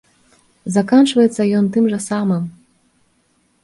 Заканчваецца ён тым жа самым.